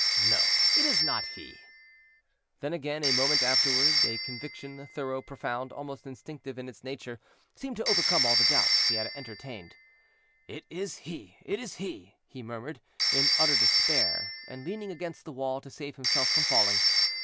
No; it is not he." Then, again, a moment afterward, a conviction, thorough, profound, almost instinctive in its nature, seemed to overcome all the doubts he had entertained. "It is he! it is he!" he murmured, in utter despair, and leaning against the wall to save himself from falling.